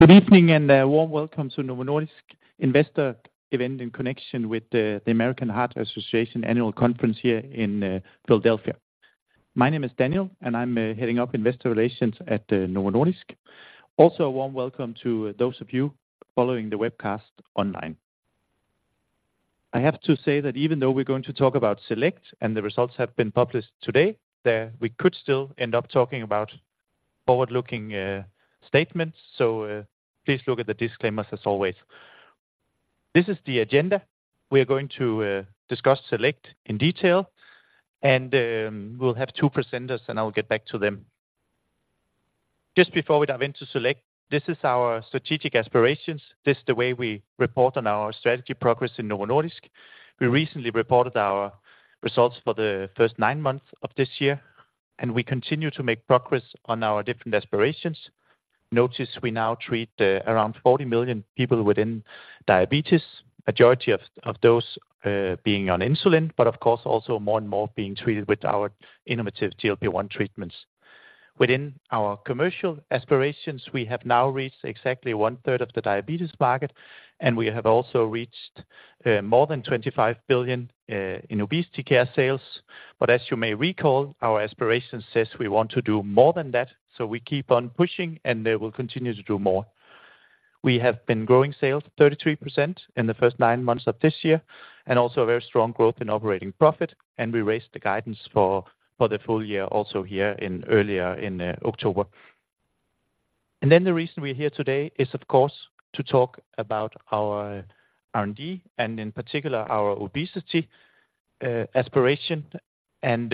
Good evening, and a warm welcome to Novo Nordisk Investor event in connection with the American Heart Association annual conference here in Philadelphia. My name is Daniel, and I'm heading up Investor Relations at Novo Nordisk. Also, a warm welcome to those of you following the webcast online. I have to say that even though we're going to talk about SELECT, and the results have been published today, that we could still end up talking about forward-looking statements, so please look at the disclaimers as always. This is the agenda. We are going to discuss SELECT in detail, and we'll have two presenters, and I'll get back to them. Just before we dive into SELECT, this is our strategic aspirations. This is the way we report on our strategy progress in Novo Nordisk. We recently reported our results for the first nine months of this year, and we continue to make progress on our different aspirations. Notice we now treat around 40 million people within diabetes, majority of those being on insulin, but of course, also more and more being treated with our innovative GLP-1 treatments. Within our commercial aspirations, we have now reached exactly one third of the diabetes market, and we have also reached more than 25 billion in obesity care sales. But as you may recall, our aspiration says we want to do more than that, so we keep on pushing, and then we'll continue to do more. We have been growing sales 33% in the first nine months of this year, and also a very strong growth in operating profit, and we raised the guidance for the full year, also here in earlier in October. Then the reason we're here today is, of course, to talk about our R&D and in particular our obesity aspiration, and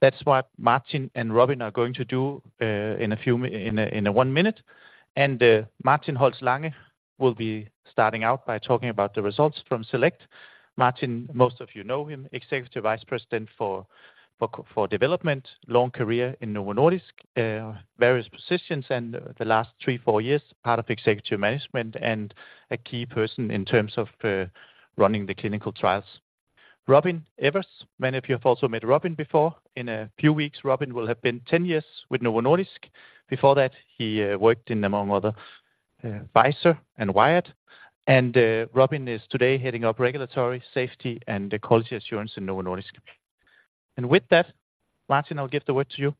that's what Martin and Robin are going to do in a minute. Martin Holst Lange will be starting out by talking about the results from SELECT. Martin, most of you know him, Executive Vice President for development, long career in Novo Nordisk, various positions, and the last three, four years, part of executive management and a key person in terms of running the clinical trials. Robin Evers, many of you have also met Robin before. In a few weeks, Robin will have been 10 years with Novo Nordisk. Before that, he worked in, among other, Pfizer and Wyeth, and Robin is today heading up regulatory, safety, and quality assurance in Novo Nordisk. With that, Martin, I'll give the word to you.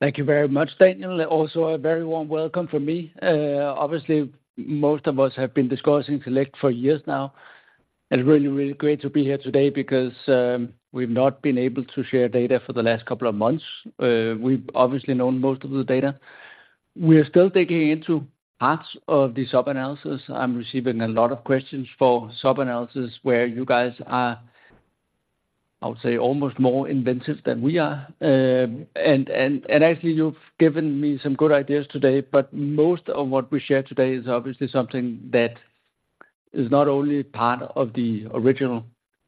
Thank you very much, Daniel. Also, a very warm welcome from me. Obviously, most of us have been discussing SELECT for years now, and really, really great to be here today because, we've not been able to share data for the last couple of months. We've obviously known most of the data. We are still digging into parts of the sub-analysis. I'm receiving a lot of questions for sub-analysis where you guys are, I would say, almost more inventive than we are. And actually, you've given me some good ideas today, but most of what we share today is obviously something that is not only part of the original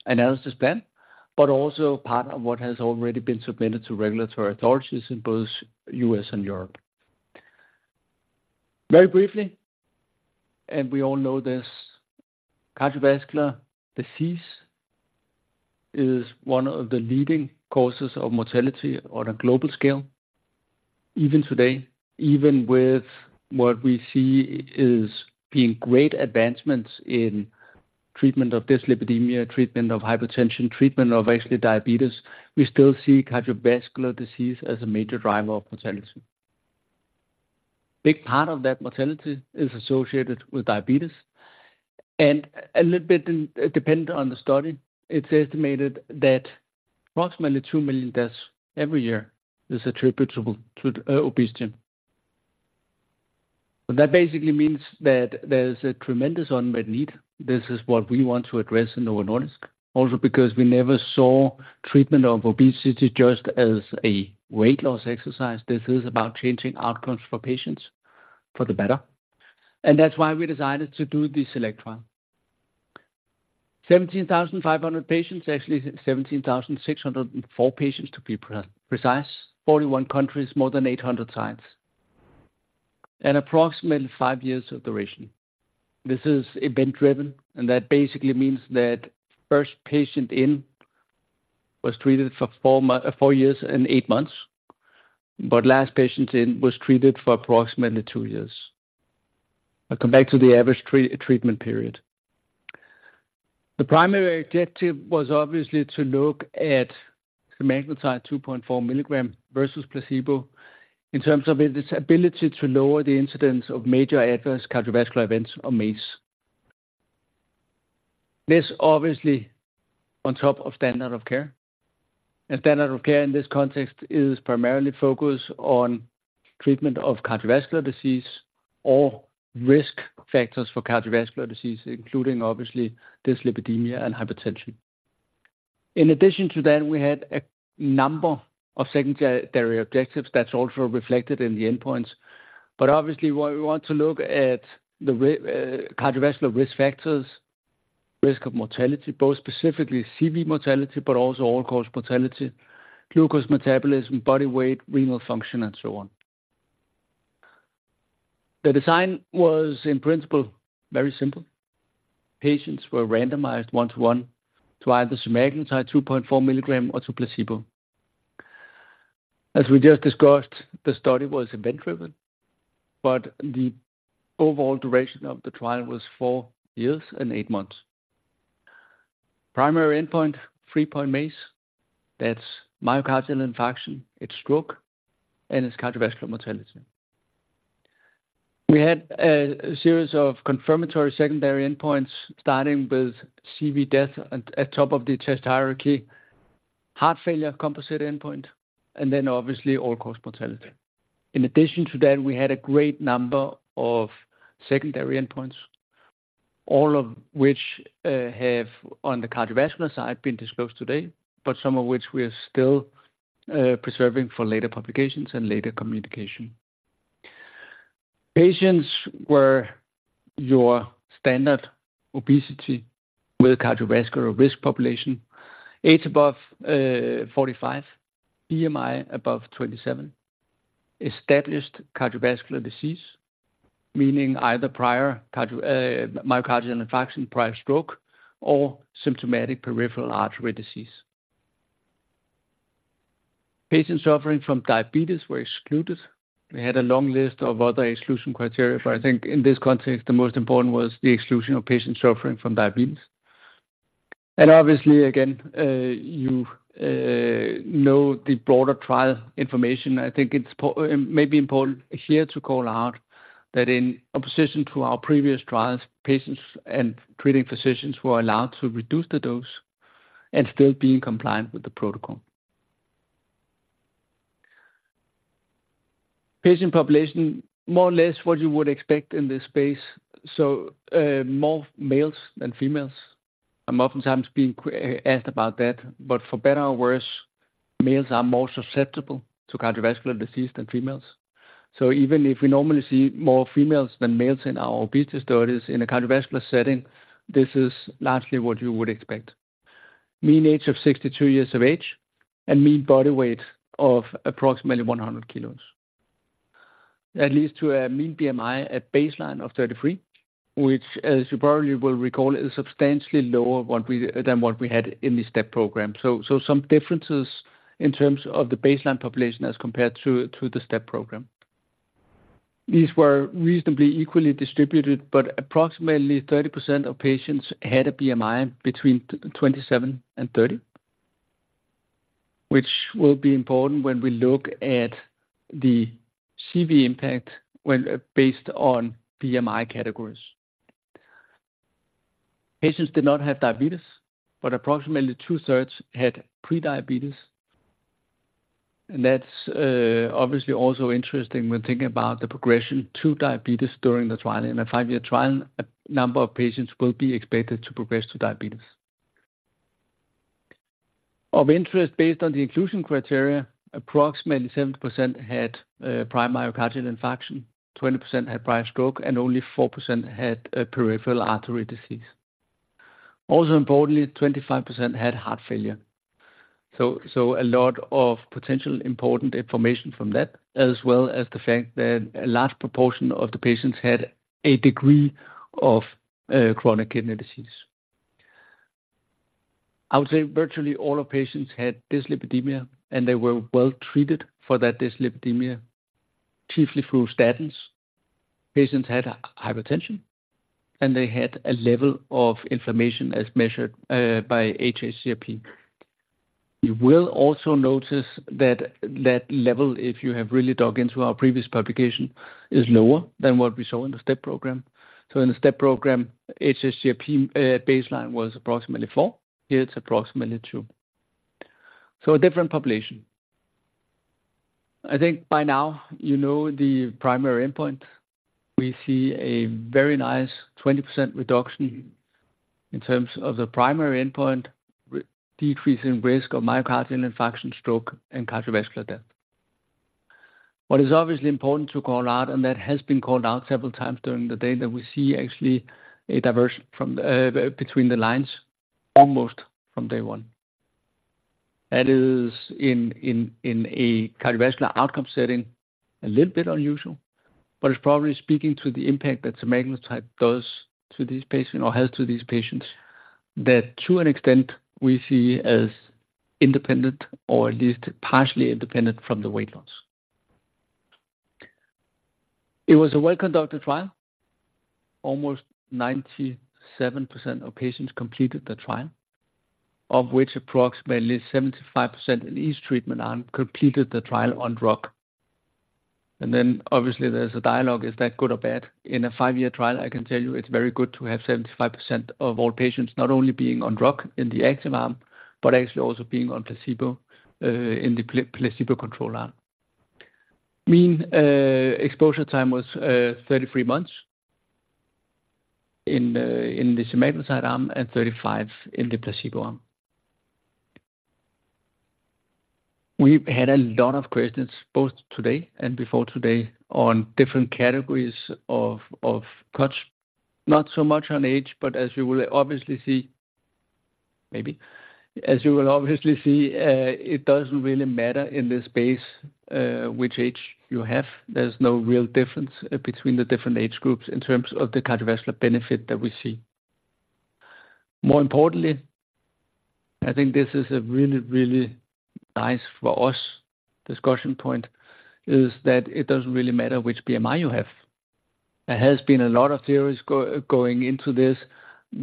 analysis plan, but also part of what has already been submitted to regulatory authorities in both U.S. and Europe. Very briefly, and we all know this, cardiovascular disease is one of the leading causes of mortality on a global scale. Even today, even with what we see as being great advancements in treatment of dyslipidemia, treatment of hypertension, treatment of actually diabetes, we still see cardiovascular disease as a major driver of mortality. Big part of that mortality is associated with diabetes, and a little bit dependent on the study, it's estimated that approximately two million deaths every year is attributable to obesity. But that basically means that there's a tremendous unmet need. This is what we want to address in Novo Nordisk. Also, because we never saw treatment of obesity just as a weight loss exercise, this is about changing outcomes for patients for the better, and that's why we decided to do the SELECT trial. 17,500 patients, actually 17,604 patients, to be precise, 41 countries, more than 800 sites. Approximately five years of duration. This is event-driven, and that basically means that first patient in was treated for four years and eight months, but last patient in was treated for approximately two years. I come back to the average treatment period. The primary objective was obviously to look at the semaglutide 2.4 mg versus placebo in terms of its ability to lower the incidence of major adverse cardiovascular events or MACE. This obviously on top of standard of care, and standard of care in this context is primarily focused on treatment of cardiovascular disease or risk factors for cardiovascular disease, including obviously dyslipidemia and hypertension. In addition to that, we had a number of secondary objectives that's also reflected in the endpoints. But obviously, what we want to look at, the cardiovascular risk factors, risk of mortality, both specifically CV mortality, but also all-cause mortality, glucose metabolism, body weight, renal function, and so on. The design was, in principle, very simple. Patients were randomized one to one to either semaglutide 2.4 mg or to placebo. As we just discussed, the study was event-driven, but the overall duration of the trial was four years and eight months. Primary endpoint, three-point MACE, that's myocardial infarction, it's stroke, and it's cardiovascular mortality. We had a series of confirmatory secondary endpoints, starting with CV death at top of the test hierarchy, heart failure, composite endpoint, and then obviously all-cause mortality. In addition to that, we had a great number of secondary endpoints, all of which have on the cardiovascular side been disclosed today, but some of which we are still preserving for later publications and later communication. Patients were your standard obesity with cardiovascular risk population, age above 45, BMI above 27, established cardiovascular disease, meaning either prior myocardial infarction, prior stroke, or symptomatic peripheral artery disease. Patients suffering from diabetes were excluded. We had a long list of other exclusion criteria, but I think in this context, the most important was the exclusion of patients suffering from diabetes. And obviously, again, you know the broader trial information. I think it's maybe important here to call out that in opposition to our previous trials, patients and treating physicians were allowed to reduce the dose and still being compliant with the protocol. Patient population, more or less, what you would expect in this space, so, more males than females. I'm oftentimes being asked about that, but for better or worse, males are more susceptible to cardiovascular disease than females. So even if we normally see more females than males in our obesity studies in a cardiovascular setting, this is largely what you would expect. Mean age of 62 years of age and mean body weight of approximately 100 kilos. That leads to a mean BMI, a baseline of 33, which, as you probably will recall, is substantially lower what we, than what we had in the STEP program. So some differences in terms of the baseline population as compared to the STEP program. These were reasonably equally distributed, but approximately 30% of patients had a BMI between 27-30, which will be important when we look at the CV impact when based on BMI categories. Patients did not have diabetes, but approximately two-thirds had pre-diabetes. And that's obviously also interesting when thinking about the progression to diabetes during the trial. In a five-year trial, a number of patients will be expected to progress to diabetes. Of interest, based on the inclusion criteria, approximately 70% had prior myocardial infarction, 20% had prior stroke, and only 4% had a peripheral artery disease. Also, importantly, 25% had heart failure. So a lot of potential important information from that, as well as the fact that a large proportion of the patients had a degree of chronic kidney disease. I would say virtually all our patients had dyslipidemia, and they were well treated for that dyslipidemia, chiefly through statins. Patients had hypertension, and they had a level of inflammation as measured by hs-CRP. You will also notice that level, if you have really dug into our previous publication, is lower than what we saw in the STEP program. So in the STEP program, hs-CRP baseline was approximately four. Here, it's approximately two. So a different population. I think by now, you know the primary endpoint. We see a very nice 20% reduction in terms of the primary endpoint, reducing risk of myocardial infarction, stroke, and cardiovascular death. What is obviously important to call out, and that has been called out several times during the day, that we see actually a divergence between the lines almost from day one. That is in a cardiovascular outcome setting, a little bit unusual, but it's probably speaking to the impact that semaglutide does to these patients or has to these patients, that to an extent, we see as independent or at least partially independent from the weight loss. It was a well-conducted trial. Almost 97% of patients completed the trial, of which approximately 75% in each treatment arm completed the trial on drug. And then obviously, there's a dialogue, is that good or bad? In a five-year trial, I can tell you it's very good to have 75% of all patients not only being on drug in the active arm, but actually also being on placebo in the placebo-controlled arm. Mean exposure time was 33 months in the semaglutide arm and 35 in the placebo arm. We've had a lot of questions, both today and before today, on different categories of cuts, not so much on age, but as you will obviously see, maybe. As you will obviously see, it doesn't really matter in this space, which age you have. There's no real difference between the different age groups in terms of the cardiovascular benefit that we see. More importantly, I think this is a really, really nice for us discussion point, is that it doesn't really matter which BMI you have. There has been a lot of theories going into this,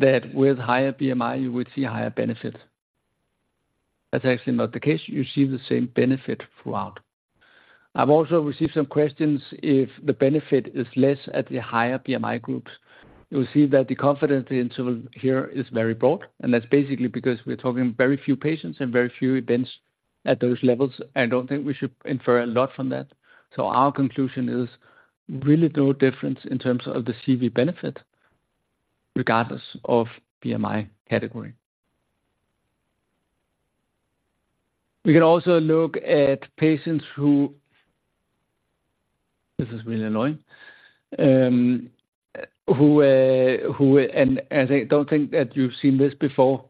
that with higher BMI, you would see higher benefit. That's actually not the case. You see the same benefit throughout. I've also received some questions if the benefit is less at the higher BMI groups. You'll see that the confidence interval here is very broad, and that's basically because we're talking very few patients and very few events at those levels. I don't think we should infer a lot from that. So our conclusion is really no difference in terms of the CV benefit, regardless of BMI category. We can also look at patients who—this is really annoying, and I don't think that you've seen this before.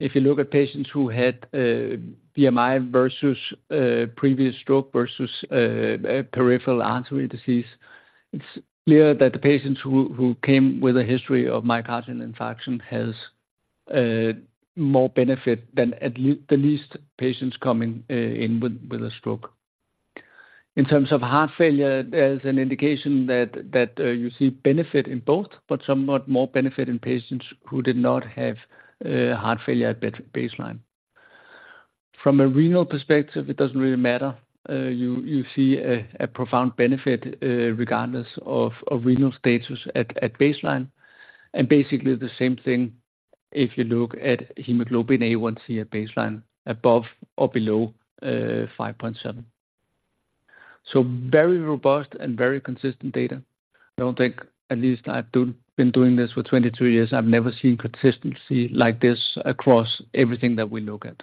If you look at patients who had BMI versus previous stroke versus peripheral artery disease, it's clear that the patients who came with a history of myocardial infarction has more benefit than the least patients coming in with a stroke. In terms of heart failure, there's an indication that you see benefit in both, but somewhat more benefit in patients who did not have heart failure at baseline. From a renal perspective, it doesn't really matter. You see a profound benefit regardless of renal status at baseline, and basically the same thing if you look at hemoglobin A1C at baseline, above or below 5.7%. So very robust and very consistent data. I don't think, at least I've been doing this for 22 years, I've never seen consistency like this across everything that we look at.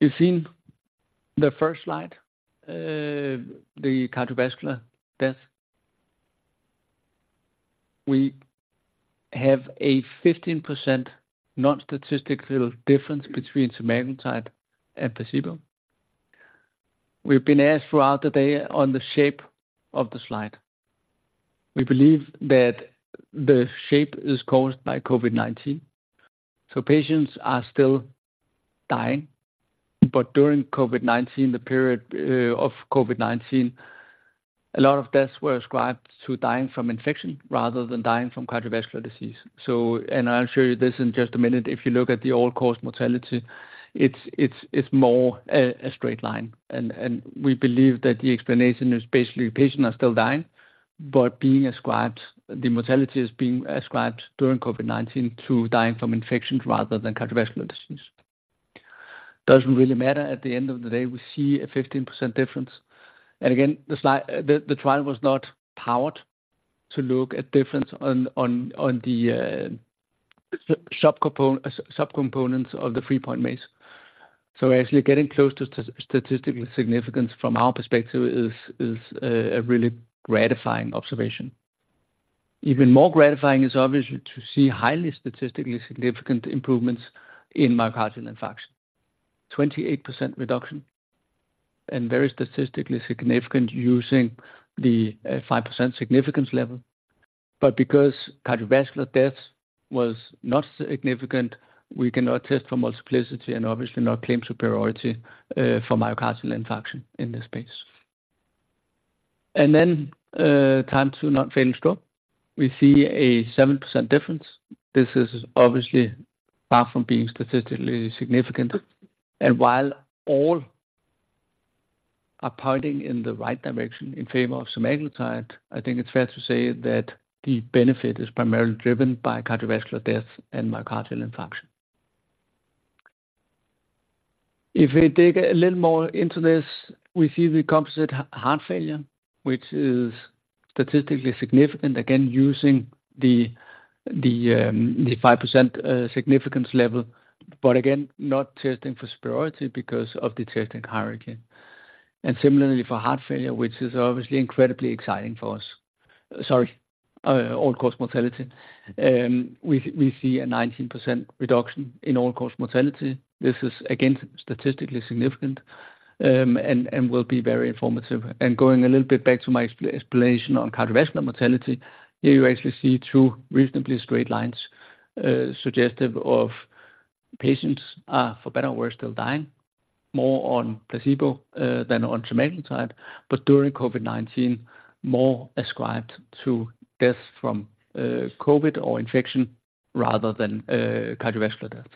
You've seen the first slide, the cardiovascular death. We have a 15% non-statistical difference between semaglutide and placebo. We've been asked throughout the day on the shape of the slide. We believe that the shape is caused by COVID-19. So patients are still dying, but during COVID-19, the period, of COVID-19, a lot of deaths were ascribed to dying from infection rather than dying from cardiovascular disease. So, and I'll show you this in just a minute. If you look at the all-cause mortality, it's more a straight line, and we believe that the explanation is basically patients are still dying, but being ascribed—the mortality is being ascribed during COVID-19 to dying from infections rather than cardiovascular disease. Doesn't really matter. At the end of the day, we see a 15% difference, and again, the slide, the trial was not powered to look at difference on the subcomponents of the three-point MACE. So actually getting close to statistical significance from our perspective is a really gratifying observation. Even more gratifying is obviously to see highly statistically significant improvements in myocardial infarction, 28% reduction, and very statistically significant using the five percent significance level. But because cardiovascular death was not significant, we cannot test for multiplicity and obviously not claim superiority for myocardial infarction in this space. And then Time to non-fatal stroke, we see a 7% difference. This is obviously far from being statistically significant, and while all are pointing in the right direction in favor of semaglutide, I think it's fair to say that the benefit is primarily driven by cardiovascular death and myocardial infarction. If we dig a little more into this, we see the composite heart failure, which is statistically significant, again, using the five percent significance level, but again, not testing for superiority because of the testing hierarchy. And similarly for heart failure, which is obviously incredibly exciting for us. All-cause mortality. We see a 19% reduction in all-cause mortality. This is again, statistically significant, and will be very informative. And going a little bit back to my explanation on cardiovascular mortality, here you actually see two reasonably straight lines, suggestive of patients are, for better or worse, still dying more on placebo, than on semaglutide, but during COVID-19, more ascribed to death from, COVID or infection rather than, cardiovascular death.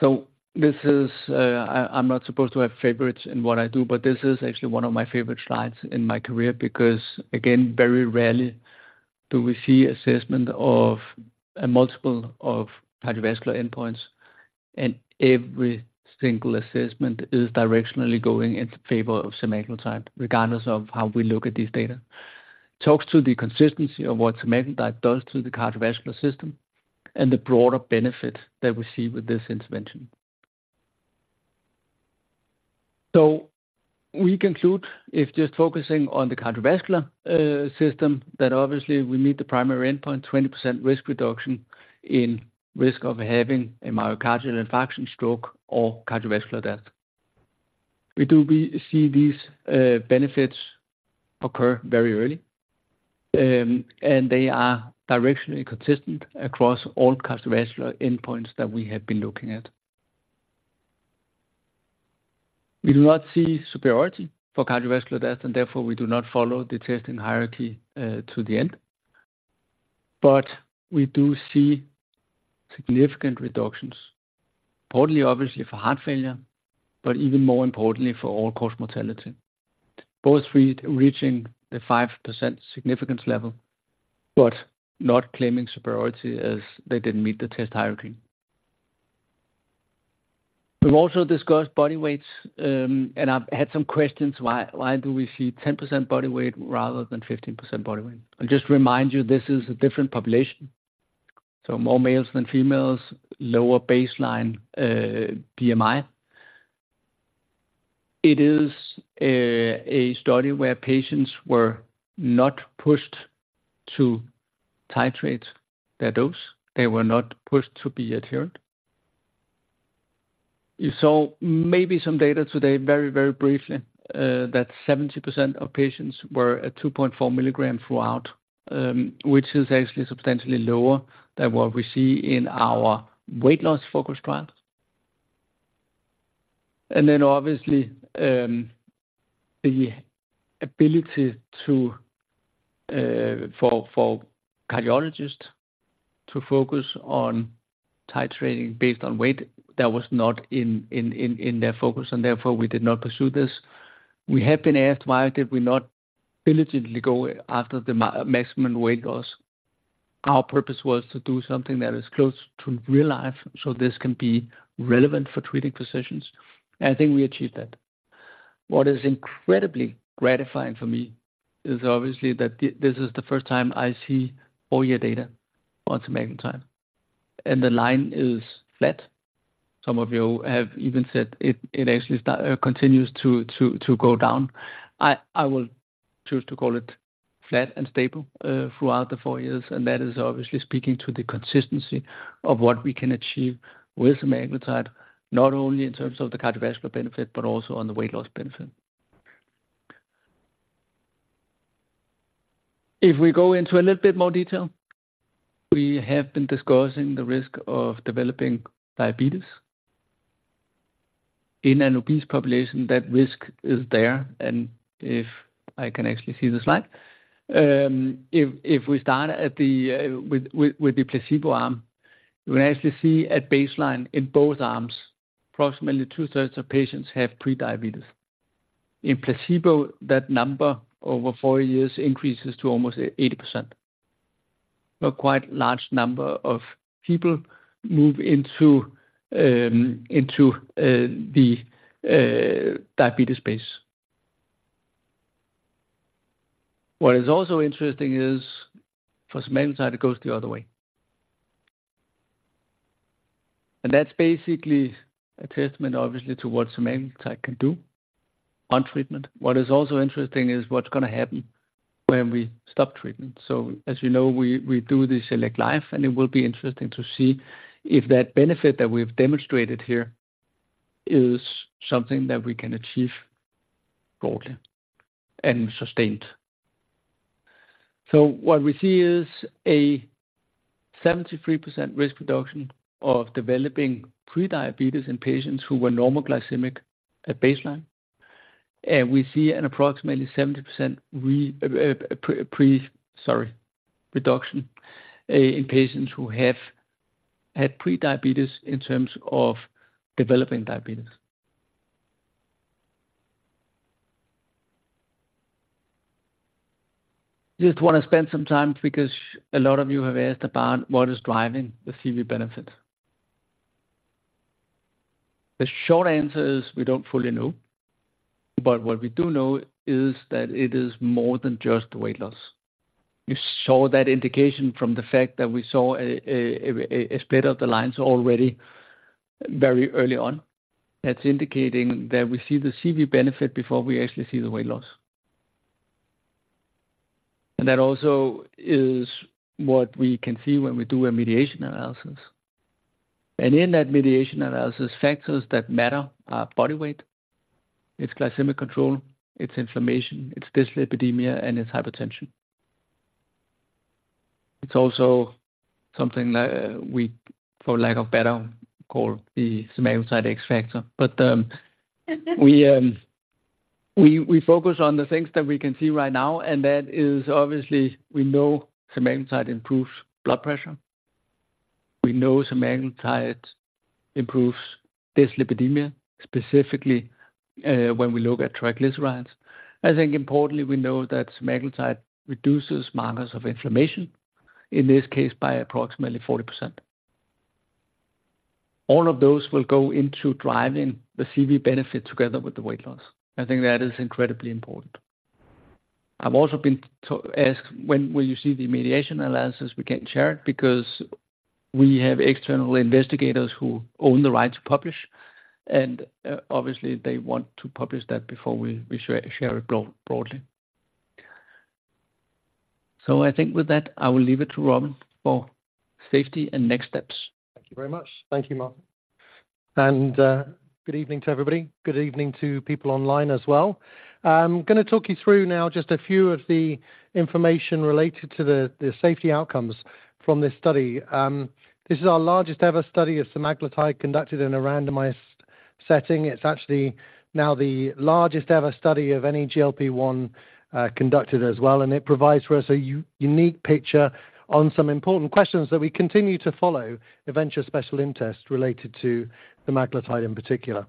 So this is, I, I'm not supposed to have favorites in what I do, but this is actually one of my favorite slides in my career, because, again, very rarely do we see assessment of a multiple of cardiovascular endpoints, and every single assessment is directionally going in favor of semaglutide, regardless of how we look at these data. Talks to the consistency of what semaglutide does to the cardiovascular system and the broader benefit that we see with this intervention. So we conclude if just focusing on the cardiovascular system, that obviously we meet the primary endpoint, 20% risk reduction in risk of having a myocardial infarction, stroke, or cardiovascular death. We do see these benefits occur very early, and they are directionally consistent across all cardiovascular endpoints that we have been looking at. We do not see superiority for cardiovascular death, and therefore, we do not follow the testing hierarchy to the end. But we do see significant reductions, importantly, obviously, for heart failure, but even more importantly, for all-cause mortality. Both reaching the 5% significance level, but not claiming superiority as they didn't meet the test hierarchy. We've also discussed body weights, and I've had some questions, why, why do we see 10% body weight rather than 15% body weight? I'll just remind you, this is a different population, so more males than females, lower baseline BMI. It is a study where patients were not pushed to titrate their dose. They were not pushed to be adherent. You saw maybe some data today, very, very briefly, that 70% of patients were at 2.4 mg throughout, which is actually substantially lower than what we see in our weight loss-focused trials. Then obviously, the ability to, for, for cardiologists to focus on titrating based on weight, that was not in their focus, and therefore, we did not pursue this. We have been asked, why did we not diligently go after the maximum weight loss? Our purpose was to do something that is close to real life, so this can be relevant for treating physicians, and I think we achieved that. What is incredibly gratifying for me is obviously, that this is the first time I see all your data on semaglutide, and the line is flat. Some of you have even said it, it actually continues to go down. I will choose to call it flat and stable throughout the four years, and that is obviously speaking to the consistency of what we can achieve with semaglutide, not only in terms of the cardiovascular benefit, but also on the weight loss benefit. If we go into a little bit more detail, we have been discussing the risk of developing diabetes. In an obese population, that risk is there, and if I can actually see the slide, if we start with the placebo arm, you will actually see at baseline in both arms, approximately 2/3 of patients have prediabetes. In placebo, that number over four years increases to almost 80%. A quite large number of people move into the diabetes space. What is also interesting is, for semaglutide, it goes the other way. And that's basically a testament, obviously, to what semaglutide can do on treatment. What is also interesting is what's gonna happen when we stop treatment. So as you know, we do the SELECT Life, and it will be interesting to see if that benefit that we've demonstrated here is something that we can achieve broadly and sustained. So what we see is a 73% risk reduction of developing pre-diabetes in patients who were normoglycemic at baseline. And we see an approximately 70% reduction in patients who have had pre-diabetes in terms of developing diabetes. Just want to spend some time because a lot of you have asked about what is driving the CV benefit. The short answer is we don't fully know, but what we do know is that it is more than just the weight loss. You saw that indication from the fact that we saw a split of the lines already very early on. That's indicating that we see the CV benefit before we actually see the weight loss. And that also is what we can see when we do a mediation analysis. And in that mediation analysis, factors that matter are body weight, its glycemic control, its inflammation, its dyslipidemia, and its hypertension. It's also something that, we, for lack of better, call the semaglutide X factor. But, we focus on the things that we can see right now, and that is obviously, we know semaglutide improves blood pressure. We know semaglutide improves dyslipidemia, specifically, when we look at triglycerides. I think importantly, we know that semaglutide reduces markers of inflammation, in this case, by approximately 40%. All of those will go into driving the CV benefit together with the weight loss. I think that is incredibly important. I've also been asked, when will you see the mediation analysis? We can't share it because we have external investigators who own the right to publish, and obviously they want to publish that before we share it broadly. So I think with that, I will leave it to Robin for safety and next steps. Thank you very much. Thank you, Martin. And good evening to everybody. Good evening to people online as well. I'm gonna talk you through now just a few of the information related to the safety outcomes from this study. This is our largest-ever study of semaglutide conducted in a randomized setting. It's actually now the largest-ever study of any GLP-1 conducted as well, and it provides for us a unique picture on some important questions that we continue to follow, events of special interest related to semaglutide in particular.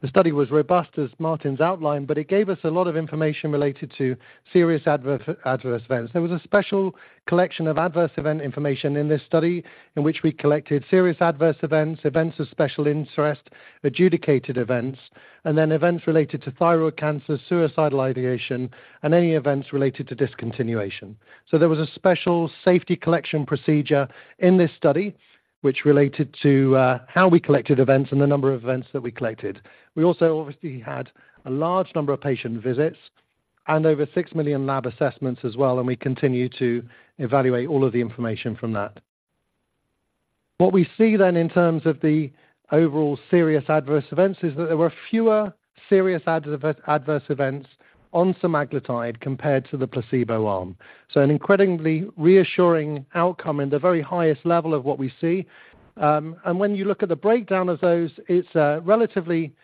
The study was robust, as Martin's outlined, but it gave us a lot of information related to serious adverse events. There was a special collection of adverse event information in this study in which we collected serious adverse events, events of special interest, adjudicated events, and then events related to thyroid cancer, suicidal ideation, and any events related to discontinuation. So there was a special safety collection procedure in this study, which related to how we collected events and the number of events that we collected. We also obviously had a large number of patient visits and over six million lab assessments as well, and we continue to evaluate all of the information from that. What we see then in terms of the overall serious adverse events is that there were fewer serious adverse events on semaglutide compared to the placebo arm. So an incredibly reassuring outcome in the very highest level of what we see. When you look at the breakdown of those, it's relatively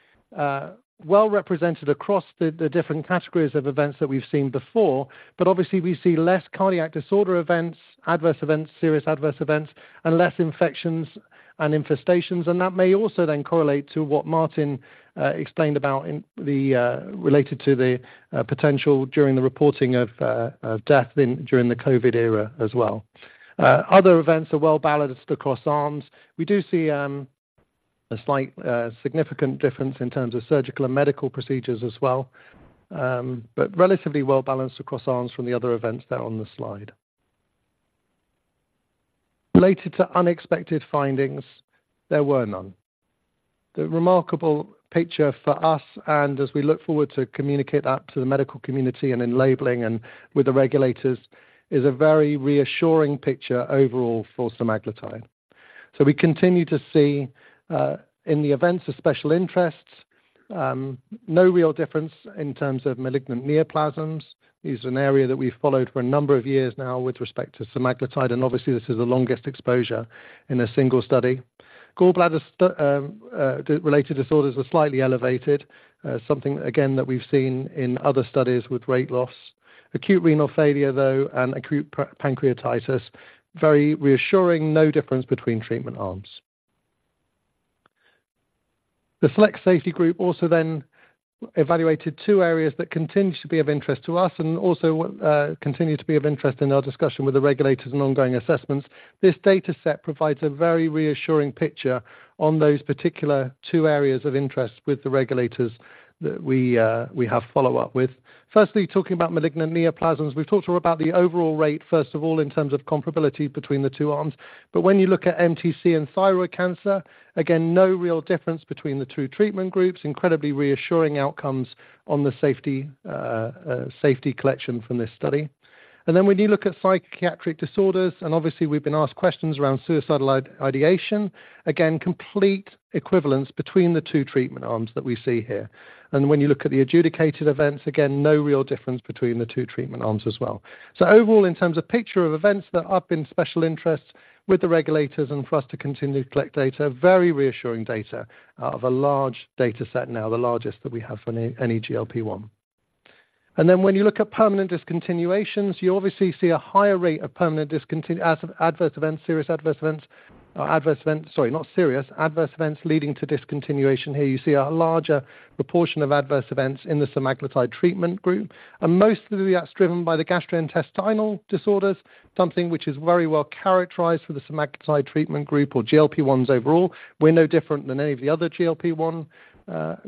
well-represented across the different categories of events that we've seen before. But obviously, we see less cardiac disorder events, adverse events, serious adverse events, and less infections and infestations, and that may also then correlate to what Martin explained about in the related to the potential during the reporting of of death in during the COVID era as well. Other events are well-balanced across arms. We do see a slight significant difference in terms of surgical and medical procedures as well, but relatively well-balanced across arms from the other events there on the slide. Related to unexpected findings, there were none. The remarkable picture for us, and as we look forward to communicate that to the medical community and in labeling and with the regulators, is a very reassuring picture overall for semaglutide. So we continue to see in the events of special interests no real difference in terms of malignant neoplasms. This is an area that we've followed for a number of years now with respect to semaglutide, and obviously, this is the longest exposure in a single study. Gallbladder related disorders are slightly elevated, something again that we've seen in other studies with weight loss. Acute renal failure, though, and acute pancreatitis, very reassuring, no difference between treatment arms. The SELECT safety group also then evaluated two areas that continue to be of interest to us and also, continue to be of interest in our discussion with the regulators and ongoing assessments. This data set provides a very reassuring picture on those particular two areas of interest with the regulators that we, we have follow-up with. Firstly, talking about malignant neoplasms. We've talked about the overall rate, first of all, in terms of comparability between the two arms. But when you look at MTC and thyroid cancer, again, no real difference between the two treatment groups. Incredibly reassuring outcomes on the safety, safety collection from this study. And then when you look at psychiatric disorders, and obviously, we've been asked questions around suicidal ideation, again, complete equivalence between the two treatment arms that we see here. When you look at the adjudicated events, again, no real difference between the two treatment arms as well. So overall, in terms of picture of events that are of special interest with the regulators and for us to continue to collect data, very reassuring data out of a large data set, now the largest that we have for any GLP-1. Then when you look at permanent discontinuations, you obviously see a higher rate of permanent discontinuations as of adverse events, serious adverse events or adverse events, sorry, not serious, adverse events leading to discontinuation. Here you see a larger proportion of adverse events in the semaglutide treatment group, and most of that's driven by the gastrointestinal disorders, something which is very well characterized for the semaglutide treatment group or GLP-1s overall. We're no different than any of the other GLP-1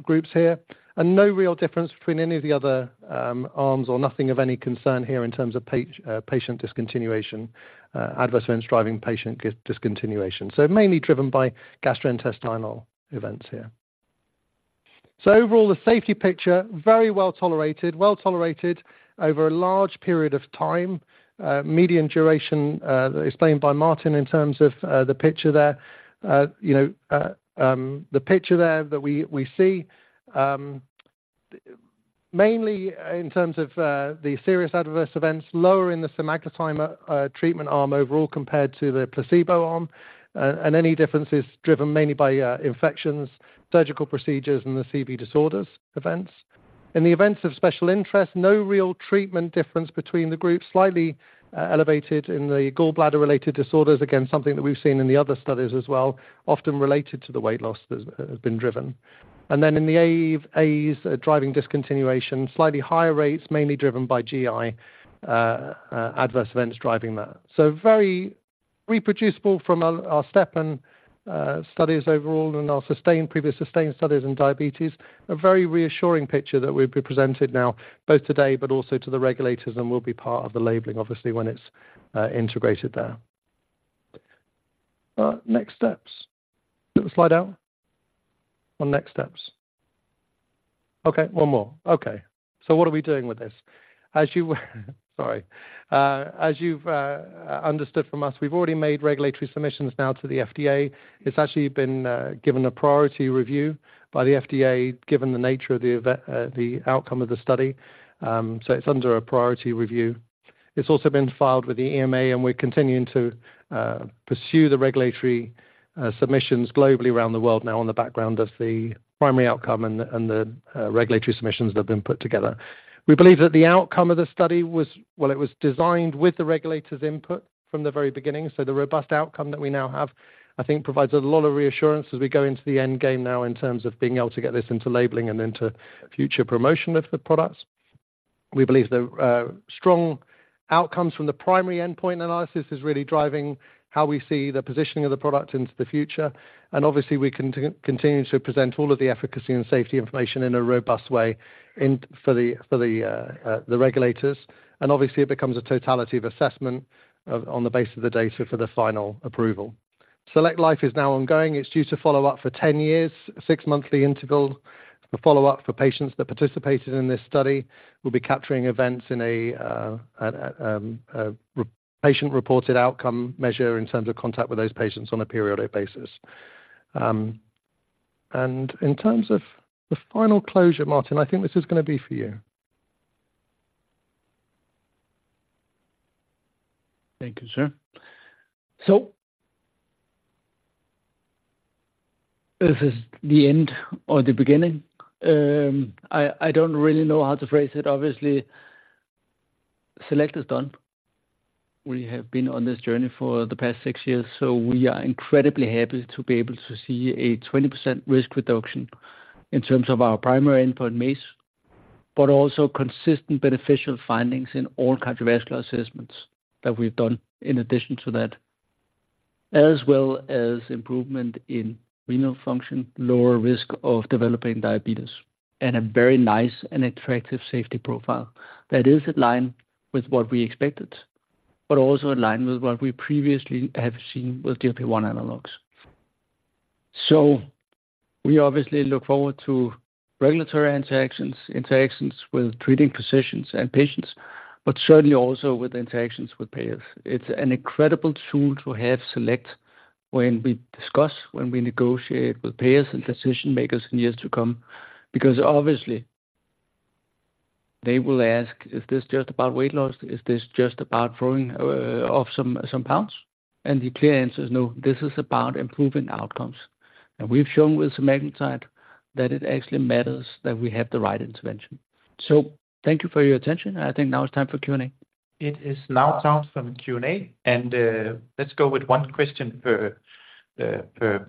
groups here, and no real difference between any of the other arms or nothing of any concern here in terms of patient discontinuation, adverse events driving patient discontinuation. So mainly driven by gastrointestinal events here. So overall, the safety picture, very well tolerated, well tolerated over a large period of time, median duration explained by Martin in terms of the picture there. You know, the picture there that we see mainly in terms of the serious adverse events, lower in the semaglutide treatment arm overall, compared to the placebo arm, and any difference is driven mainly by infections, surgical procedures, and the CV disorders events. In the events of special interest, no real treatment difference between the groups, slightly elevated in the gallbladder-related disorders. Again, something that we've seen in the other studies as well, often related to the weight loss that has been driven. And then in the SAE, AEs driving discontinuation, slightly higher rates, mainly driven by GI adverse events driving that. So very reproducible from our STEP and studies overall and our previous SUSTAIN studies in diabetes, a very reassuring picture that we've presented now, both today but also to the regulators, and will be part of the labeling, obviously, when it's integrated there. Next steps. Put the slide out on next steps. Okay, one more. Okay, so what are we doing with this? As you sorry. As you've understood from us, we've already made regulatory submissions now to the FDA. It's actually been given a priority review by the FDA, given the nature of the outcome of the study. So it's under a priority review. It's also been filed with the EMA, and we're continuing to pursue the regulatory submissions globally around the world now on the background of the primary outcome and the regulatory submissions that have been put together. We believe that the outcome of the study was... Well, it was designed with the regulator's input from the very beginning, so the robust outcome that we now have, I think, provides a lot of reassurance as we go into the end game now in terms of being able to get this into labeling and into future promotion of the products. We believe the strong outcomes from the primary endpoint analysis is really driving how we see the positioning of the product into the future, and obviously, we continue to present all of the efficacy and safety information in a robust way for the regulators. And obviously, it becomes a totality of assessment on the basis of the data for the final approval. SELECT Life is now ongoing. It's due to follow up for 10 years, six-monthly interval. The follow-up for patients that participated in this study will be capturing events in a patient-reported outcome measure in terms of contact with those patients on a periodic basis. And in terms of the final closure, Martin, I think this is gonna be for you. Thank you, sir. So this is the end or the beginning? I don't really know how to phrase it. Obviously, SELECT is done. We have been on this journey for the past six years, so we are incredibly happy to be able to see a 20% risk reduction in terms of our primary endpoint MACE, but also consistent beneficial findings in all cardiovascular assessments that we've done in addition to that, as well as improvement in renal function, lower risk of developing diabetes, and a very nice and attractive safety profile that is in line with what we expected, but also in line with what we previously have seen with GLP-1 analogs. So we obviously look forward to regulatory interactions, interactions with treating physicians and patients, but certainly also with interactions with payers. It's an incredible tool to have SELECT when we discuss, when we negotiate with payers and decision makers in years to come, because obviously they will ask: "Is this just about weight loss? Is this just about throwing off some, some pounds?" And the clear answer is no. This is about improving outcomes. And we've shown with semaglutide that it actually matters that we have the right intervention. So thank you for your attention, and I think now it's time for Q&A. It is now time for Q&A, and, let's go with one question per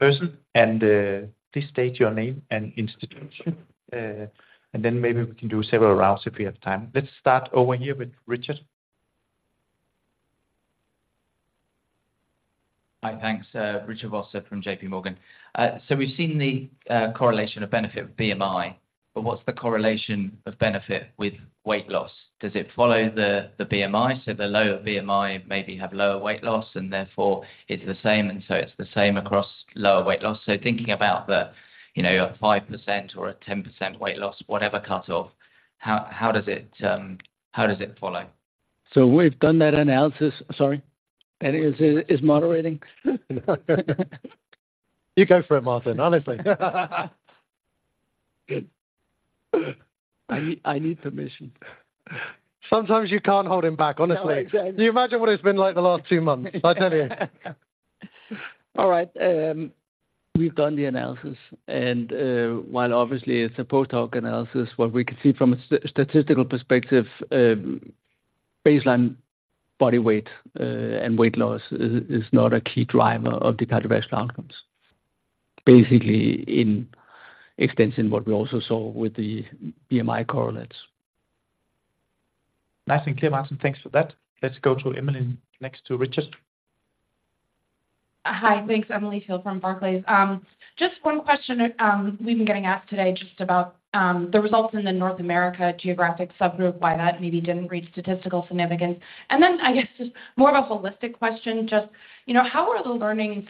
person, and, please state your name and institution, and then maybe we can do several rounds if we have time. Let's start over here with Richard. Hi. Thanks, Richard Vosser from JP Morgan. So we've seen the correlation of benefit of BMI, but what's the correlation of benefit with weight loss? Does it follow the BMI? So the lower BMI maybe have lower weight loss and therefore it's the same, and so it's the same across lower weight loss. So thinking about the, you know, a 5% or a 10% weight loss, whatever cut-off, how does it follow? So we've done that analysis... Sorry, Danny is moderating. You go for it, Martin, honestly. Good. I need, I need permission. Sometimes you can't hold him back, honestly. No, exactly. Can you imagine what it's been like the last two months? I tell you. All right, we've done the analysis, and while obviously it's a post-hoc analysis, what we can see from a statistical perspective, baseline body weight and weight loss is not a key driver of the cardiovascular outcomes, basically in extension what we also saw with the BMI correlates. Nice and clear, Martin. Thanks for that. Let's go to Emily, next to Richard. Hi. Thanks. Emily Field from Barclays. Just one question, we've been getting asked today just about the results in the North America geographic subgroup, why that maybe didn't reach statistical significance. And then, I guess, just more of a holistic question, just, you know, how are the learnings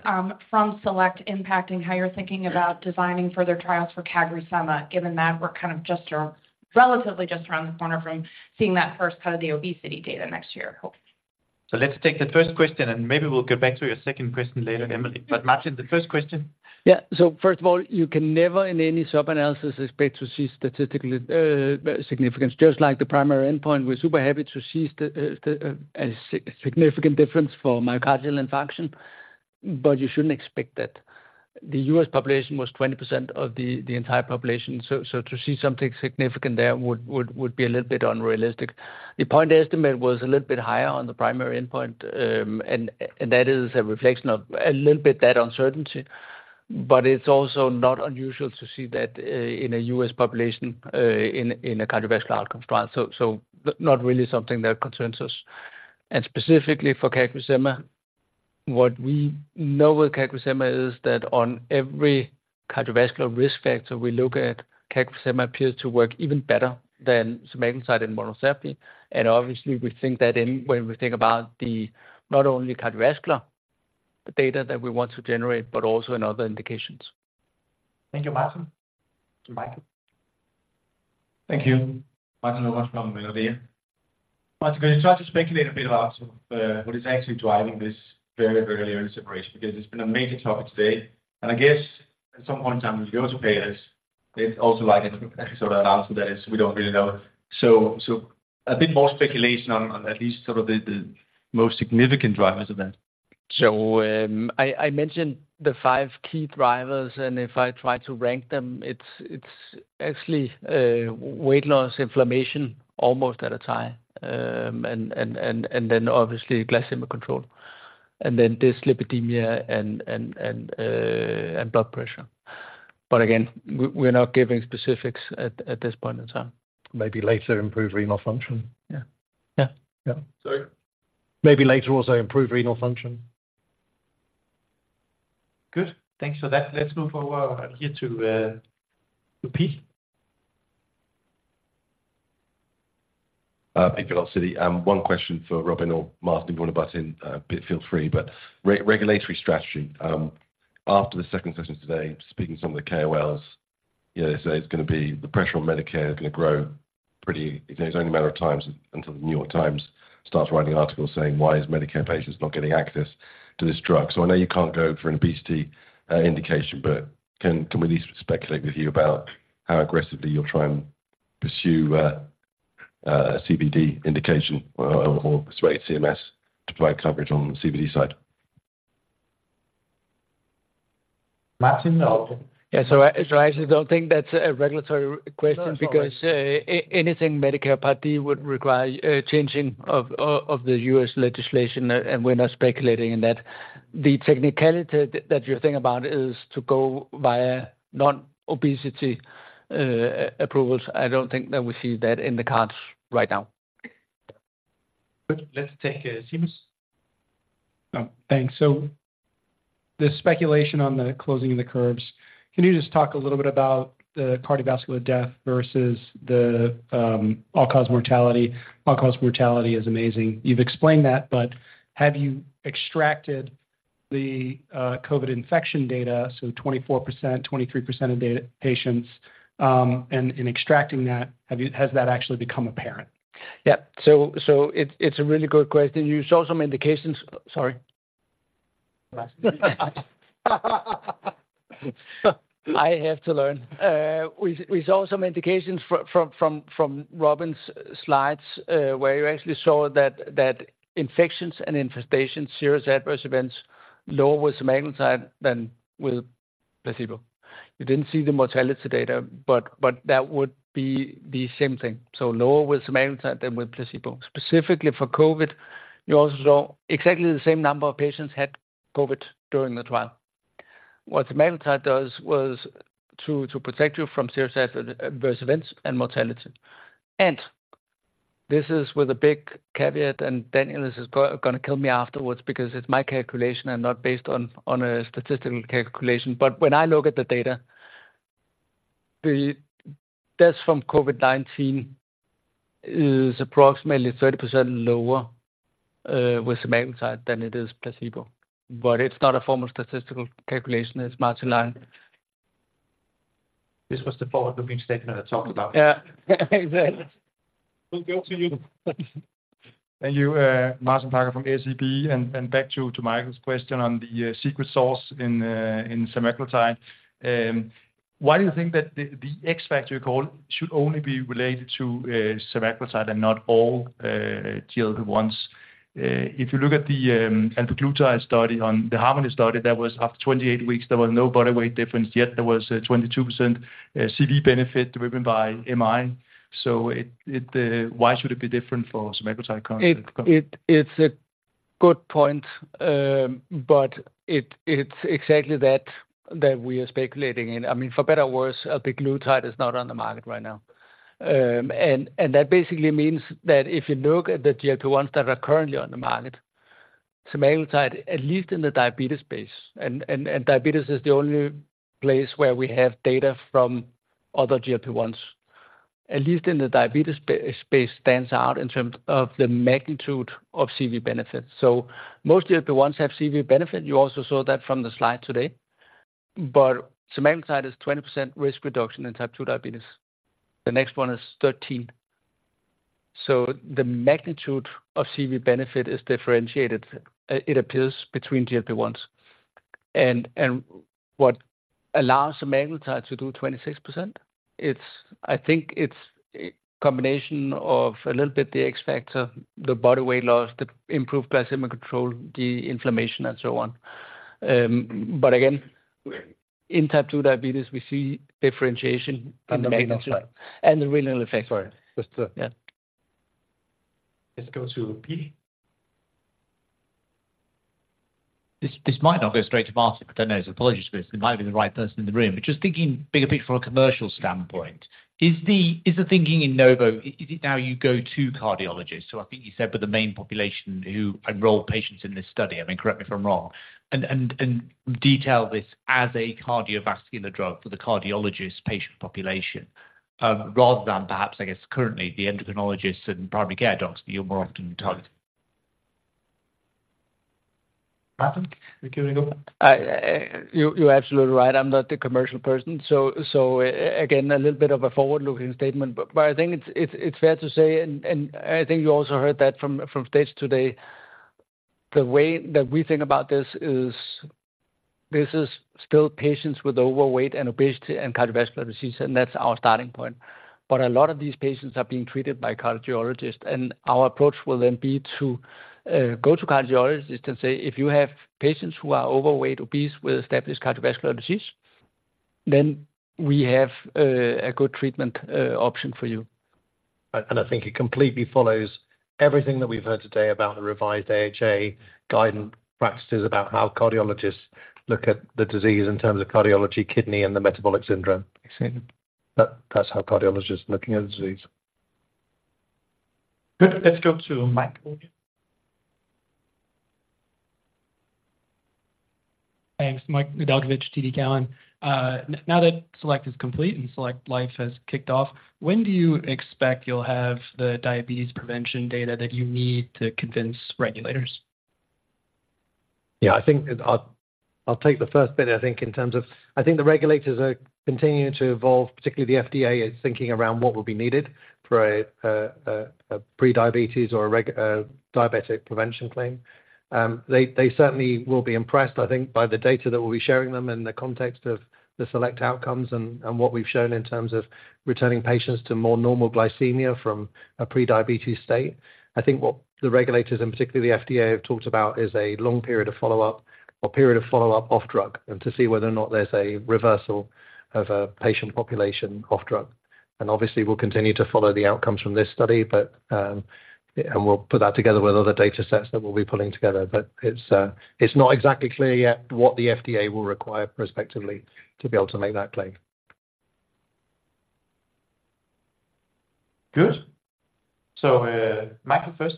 from SELECT impacting how you're thinking about designing further trials for CagriSema, given that we're kind of just relatively just around the corner from seeing that first kind of the obesity data next year, hopefully? So let's take the first question, and maybe we'll get back to your second question later, Emily. But Martin, the first question? Yeah. So first of all, you can never, in any sub-analysis, expect to see statistical significance, just like the primary endpoint. We're super happy to see the a significant difference for myocardial infarction, but you shouldn't expect that. The U.S. population was 20% of the entire population, so to see something significant there would be a little bit unrealistic. The point estimate was a little bit higher on the primary endpoint, and that is a reflection of a little bit that uncertainty.... but it's also not unusual to see that in a U.S. population in a cardiovascular outcome trial. So not really something that concerns us. And specifically for CagriSema, what we know with CagriSema is that on every cardiovascular risk factor we look at, CagriSema appears to work even better than semaglutide in monotherapy. Obviously, we think that when we think about not only cardiovascular, the data that we want to generate, but also in other indications. Thank you, Martin. To Michael. Thank you. Michael, try to speculate a bit about what is actually driving this very early, early separation, because it's been a major topic today. And I guess at some point in time, we go to pay this. It's also like an episode of the last two days, we don't really know. So, a bit more speculation on at least sort of the most significant drivers of that. So, I mentioned the five key drivers, and if I try to rank them, it's actually weight loss, inflammation almost at a tie. And then obviously, glycemic control, and then dyslipidemia and blood pressure. But again, we're not giving specifics at this point in time. Maybe later, improved renal function. Yeah. Yeah. Yeah. Sorry? Maybe later also, improved renal function. Good. Thanks for that. Let's move over here to Pete. Thank you. Citi. One question for Robin or Martin, one of us in, feel free, but regulatory strategy. After the second session today, speaking to some of the KOLs, you know, they say it's gonna be-- the pressure on Medicare is gonna grow pretty- it's only a matter of time until the New York Times starts writing articles saying, "Why is Medicare patients not getting access to this drug?" So I know you can't go for an obesity indication, but can we at least speculate with you about how aggressively you'll try and pursue CVD indication, or persuade CMS to provide coverage on the CVD side? Martin? Yeah, so I actually don't think that's a regulatory question. No, it's not.... because anything Medicare Part D would require changing of the U.S. legislation, and we're not speculating in that. The technicality that you're thinking about is to go via non-obesity approvals. I don't think that we see that in the cards right now. Good. Let's take, Seamus. Oh, thanks. So the speculation on the closing of the curves, can you just talk a little bit about the cardiovascular death versus the all-cause mortality? All-cause mortality is amazing. You've explained that, but have you extracted the COVID infection data, so 24%, 23% of the patients, and in extracting that, has that actually become apparent? Yeah. So it's a really good question. You saw some indications. Sorry. I have to learn. We saw some indications from Robin's slides, where you actually saw that infections and infestations, serious adverse events, lower with semaglutide than with placebo. You didn't see the mortality data, but that would be the same thing, so lower with semaglutide than with placebo. Specifically for COVID, you also saw exactly the same number of patients had COVID during the trial. What semaglutide does was to protect you from serious adverse events and mortality. And this is with a big caveat, and Daniel is gonna kill me afterwards because it's my calculation and not based on a statistical calculation. But when I look at the data, the deaths from COVID-19 is approximately 30% lower with semaglutide than it is placebo. But it's not a formal statistical calculation. It's Martin Lange. This was the forward-looking statement I talked about. Yeah, exactly. We'll go to you. Thank you, Martin Parkhøi from SEB, and back to Michael's question on the secret sauce in semaglutide. Why do you think that the X factor call should only be related to semaglutide and not all GLP-1s? If you look at the albiglutide study on the Harmony study, that was up to 28 weeks, there was no body weight difference, yet there was a 22% CV benefit driven by MI. So it... Why should it be different for semaglutide? It's a good point, but it's exactly that that we are speculating in. I mean, for better or worse, albiglutide is not on the market right now. And that basically means that if you look at the GLP-1s that are currently on the market, semaglutide, at least in the diabetes space, and diabetes is the only place where we have data from other GLP-1s. At least in the diabetes space, stands out in terms of the magnitude of CV benefits. So most GLP-1s have CV benefit. You also saw that from the slide today. But semaglutide is 20% risk reduction in Type 2 diabetes. The next one is 13. So the magnitude of CV benefit is differentiated, it appears, between GLP-1s. What allows semaglutide to do 26%, it's—I think it's a combination of a little bit the X factor, the body weight loss, the improved glycemic control, the inflammation, and so on. But again, in type 2 diabetes, we see differentiation in the magnitude- The renal effect. Sorry, just to- Yeah.... Let's go to Pete. This might not go straight to Martin, but I know, apologies for this, it might be the right person in the room. But just thinking bigger picture from a commercial standpoint, is the thinking in Novo, is it now you go to cardiologists? So I think you said but the main population who enrolled patients in this study, I mean, correct me if I'm wrong, and detail this as a cardiovascular drug for the cardiologist patient population, rather than perhaps, I guess, currently the endocrinologists and primary care doctors that you're more often targeting. Martin, we give it up. You're absolutely right, I'm not the commercial person. So, again, a little bit of a forward-looking statement, but I think it's fair to say, and I think you also heard that from Steve today. The way that we think about this is, this is still patients with overweight and obesity and cardiovascular disease, and that's our starting point. But a lot of these patients are being treated by cardiologists, and our approach will then be to go to cardiologists and say, "If you have patients who are overweight, obese, with established cardiovascular disease, then we have a good treatment option for you. I think it completely follows everything that we've heard today about the revised AHA guidance practices about how cardiologists look at the disease in terms of cardiology, kidney, and the metabolic syndrome. You see? That's how cardiologists are looking at the disease. Good. Let's go to Mike. Thanks, Mike Nedelcovych, TD Cowen. Now that SELECT is complete and SELECT Life has kicked off, when do you expect you'll have the diabetes prevention data that you need to convince regulators? Yeah, I think I'll take the first bit. I think in terms of... I think the regulators are continuing to evolve, particularly the FDA, is thinking around what will be needed for a pre-diabetes or a diabetic prevention claim. They certainly will be impressed, I think, by the data that we'll be sharing them in the context of the SELECT outcomes and what we've shown in terms of returning patients to more normal glycemia from a pre-diabetes state. I think what the regulators, and particularly the FDA, have talked about is a long period of follow-up, or period of follow-up off drug, and to see whether or not there's a reversal of a patient population off drug. Obviously, we'll continue to follow the outcomes from this study, but we'll put that together with other data sets that we'll be pulling together. It's not exactly clear yet what the FDA will require prospectively to be able to make that claim. Good. So, Michael first.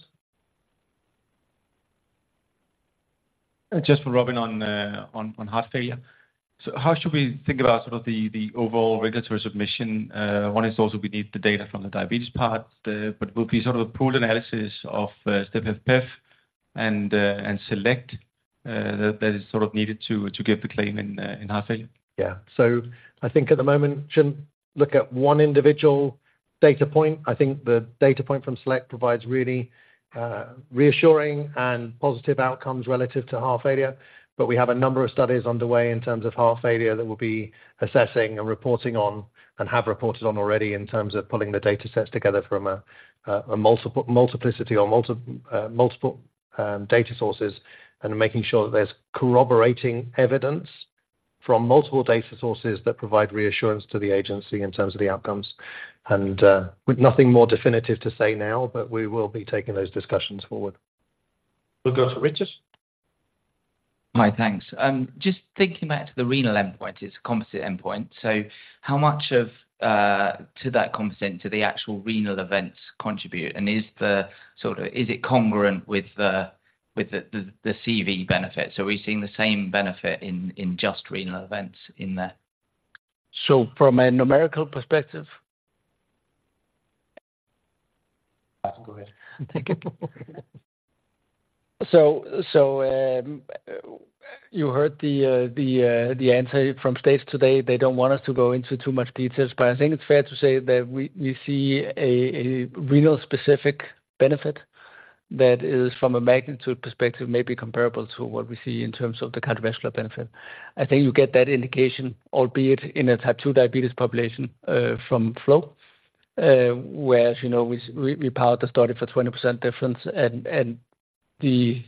Just for Robin on, on heart failure. So how should we think about sort of the, the overall regulatory submission? One is also, we need the data from the diabetes part, but will be sort of a pool analysis of, STEP and HFpEF and, and SELECT, that is sort of needed to, to get the claim in, in heart failure. Yeah. So I think at the moment, shouldn't look at one individual data point. I think the data point from SELECT provides really reassuring and positive outcomes relative to heart failure. But we have a number of studies underway in terms of heart failure that we'll be assessing and reporting on, and have reported on already in terms of pulling the data sets together from a multiplicity or multiple data sources, and making sure that there's corroborating evidence from multiple data sources that provide reassurance to the agency in terms of the outcomes. And with nothing more definitive to say now, but we will be taking those discussions forward. We'll go to Richard. Hi, thanks. Just thinking back to the renal endpoint, it's a composite endpoint, so how much of that composite do the actual renal events contribute? And is it, sort of, congruent with the CV benefit? So are we seeing the same benefit in just renal events in that? From a numerical perspective? Go ahead. Thank you. You heard the answer from Steve today. They don't want us to go into too much details, but I think it's fair to say that we see a renal specific benefit that is, from a magnitude perspective, may be comparable to what we see in terms of the cardiovascular benefit. I think you get that indication, albeit in a Type 2 diabetes population, from FLOW, where, as you know, we powered the study for 20% difference, and the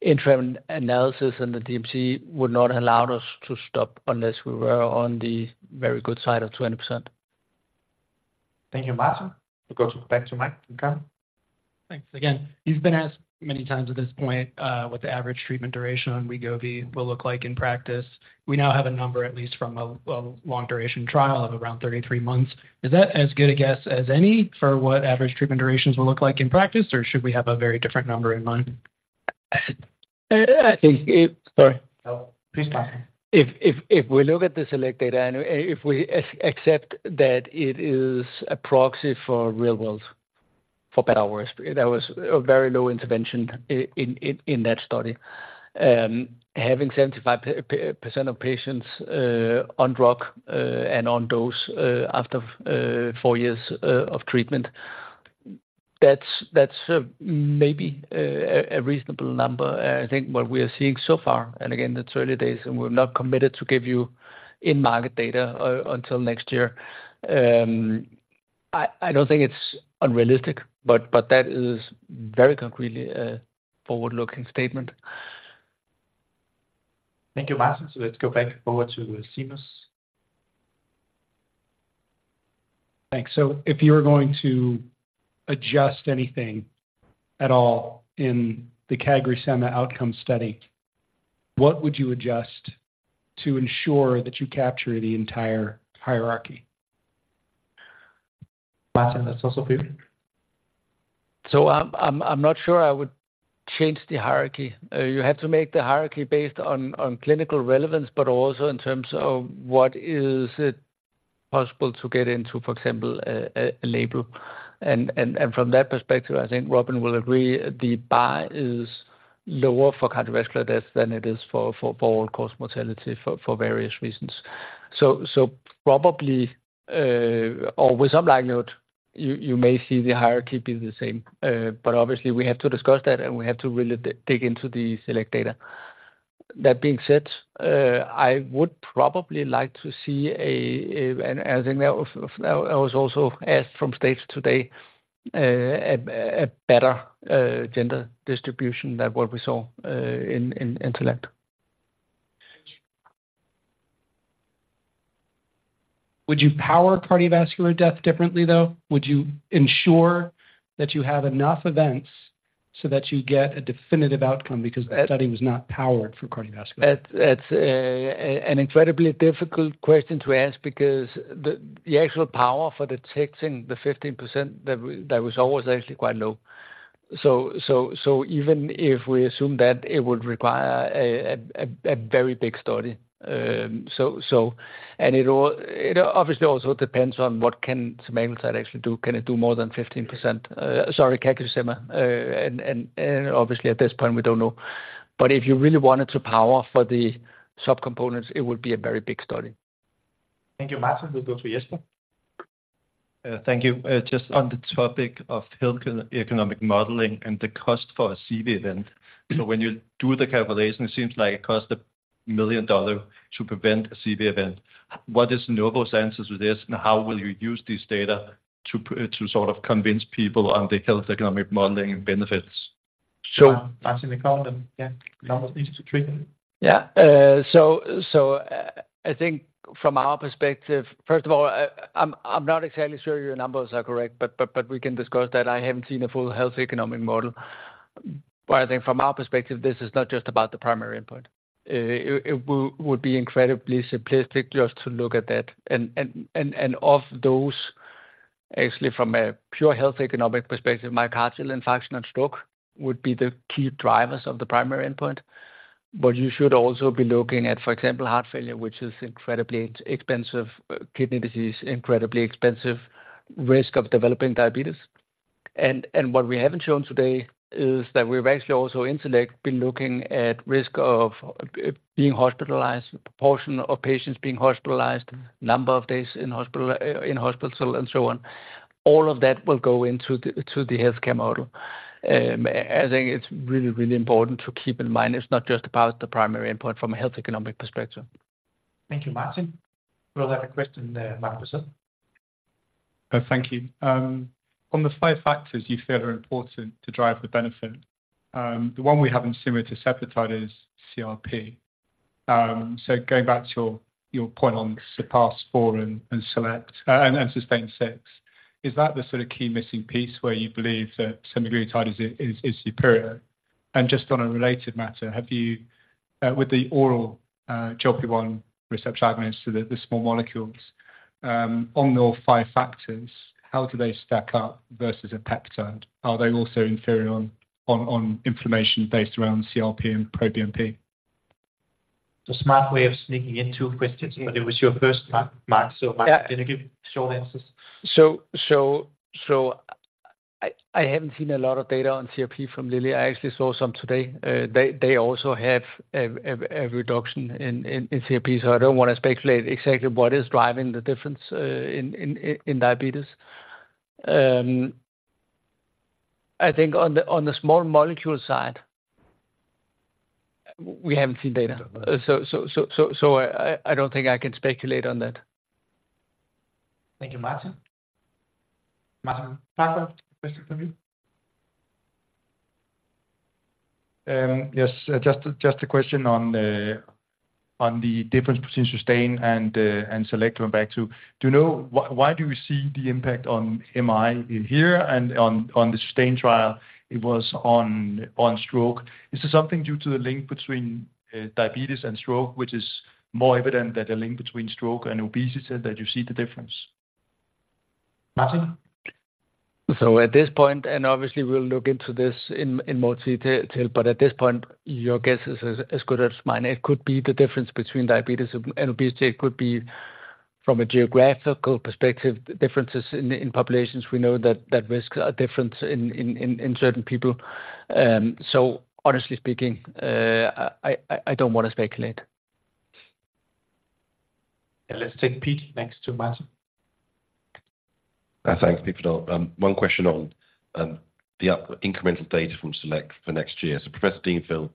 interim analysis and the DMC would not allow us to stop unless we were on the very good side of 20%. Thank you, Martin. We go back to Mike from Cowen. Thanks again. You've been asked many times at this point, what the average treatment duration on Wegovy will look like in practice. We now have a number, at least from a long-duration trial of around 33 months. Is that as good a guess as any for what average treatment durations will look like in practice, or should we have a very different number in mind? I think it... Sorry. No, please go on. If we look at the SELECT data and if we accept that it is a proxy for real world, for better or worse, that was a very low intervention in that study. Having 75% of patients on drug and on dose after 4 years of treatment, that's maybe a reasonable number. I think what we are seeing so far, and again, that's early days, and we're not committed to give you in-market data until next year. I don't think it's unrealistic, but that is very concretely a forward-looking statement. Thank you, Martin. Let's go back over to Seamus.... Thanks. So if you were going to adjust anything at all in the CagriSema outcome study, what would you adjust to ensure that you capture the entire hierarchy? Martin, that's also for you. So I'm not sure I would change the hierarchy. You have to make the hierarchy based on clinical relevance, but also in terms of what is it possible to get into, for example, a label. And from that perspective, I think Robin will agree, the bar is lower for cardiovascular death than it is for all-cause mortality for various reasons. So probably, or with some likelihood, you may see the hierarchy be the same. But obviously we have to discuss that, and we have to really dig into the SELECT data. That being said, I would probably like to see a, and I think that was also asked from stage today, a better gender distribution than what we saw in SELECT. Would you power cardiovascular death differently, though? Would you ensure that you have enough events so that you get a definitive outcome because the study was not powered for cardiovascular? That's an incredibly difficult question to ask because the actual power for detecting the 15% that was always actually quite low. So even if we assume that, it would require a very big study, and it obviously also depends on what can semaglutide actually do. Can it do more than 15%? Sorry, CagriSema, and obviously at this point, we don't know. But if you really wanted to power for the subcomponents, it would be a very big study. Thank you, Martin. We'll go to Jasper. Thank you. Just on the topic of health economic modeling and the cost for a CV event. So when you do the calculation, it seems like it costs $1 million to prevent a CV event. What is Novo's answer to this, and how will you use this data to sort of convince people on the health economic modeling and benefits? Martin, we count them. Yeah, number needed to treat. Yeah. So I think from our perspective, first of all, I'm not exactly sure your numbers are correct, but we can discuss that. I haven't seen a full health economic model. But I think from our perspective, this is not just about the primary input. It would be incredibly simplistic just to look at that. And of those, actually, from a pure health economic perspective, myocardial infarction and stroke would be the key drivers of the primary endpoint. But you should also be looking at, for example, heart failure, which is incredibly expensive, kidney disease, incredibly expensive, risk of developing diabetes. And what we haven't shown today is that we've actually also in fact been looking at risk of being hospitalized, proportion of patients being hospitalized, number of days in hospital, and so on. All of that will go into the healthcare model. I think it's really, really important to keep in mind, it's not just about the primary endpoint from a health economic perspective. Thank you, Martin. We'll have a question there, Marcus Schindler. Thank you. On the five factors you feel are important to drive the benefit, the one we have in similar to STEP is CRP. So going back to your point on SURPASS-4 and SELECT and SUSTAIN-6, is that the sort of key missing piece where you believe that semaglutide is superior? And just on a related matter, have you, with the oral GLP-1 receptor agonists, so the small molecules, on your five factors, how do they stack up versus a peptide? Are they also inferior on inflammation based around CRP and proBNP? The smart way of sneaking in two questions, but it was your first time, Mark. So Mark, can you give short answers? So, I haven't seen a lot of data on CRP from Lilly. I actually saw some today. They also have a reduction in CRP, so I don't want to speculate exactly what is driving the difference in diabetes. I think on the small molecule side, we haven't seen data. So, I don't think I can speculate on that. Thank you, Martin. Martin,... Yes, just a question on the difference between SUSTAIN and SELECT we went back to. Do you know why we see the impact on MI in here and on the SUSTAIN trial, it was on stroke? Is there something due to the link between diabetes and stroke, which is more evident than the link between stroke and obesity, that you see the difference? Martin? So at this point, and obviously we'll look into this in more detail, but at this point, your guess is as good as mine. It could be the difference between diabetes and obesity. It could be from a geographical perspective, differences in certain people. So honestly speaking, I don't want to speculate. Let's take Pete next to Martin. Thanks, Pete. One question on the incremental data from SELECT for next year. So Professor Deanfield